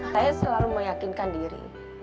saya selalu meyakinkan diri